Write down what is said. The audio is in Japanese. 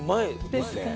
ですかね。